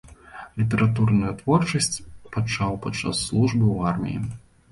Літаратурную творчасць пачаў падчас службы ў арміі.